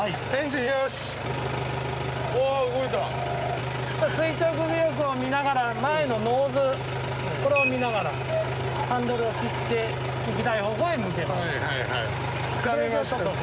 垂直尾翼を見ながら前のノーズこれを見ながらハンドルを切って行きたい方向へ向けます。